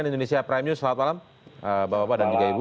cnn indonesia prime news selamat malam bapak bapak dan juga ibu